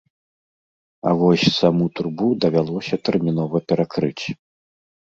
А вось саму трубу давялося тэрмінова перакрыць.